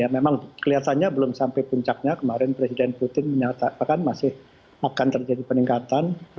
memang kelihatannya belum sampai puncaknya kemarin presiden putin menyatakan masih akan terjadi peningkatan